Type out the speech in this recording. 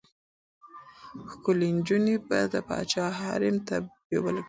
ښکلې نجونې به د پاچا حرم ته بېول کېدې.